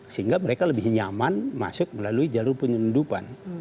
sehingga mereka lebih nyaman masuk melalui jalur penyelundupan